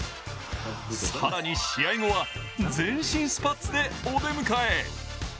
更に、試合後は全身スパッツでお出迎え。